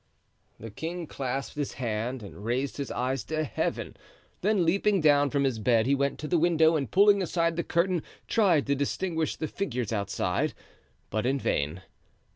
The king clasped his hands and raised his eyes to Heaven; then leaping down from his bed he went to the window, and pulling aside the curtain tried to distinguish the figures outside, but in vain.